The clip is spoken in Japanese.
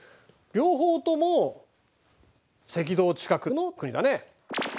両方とも赤道近くの国だね。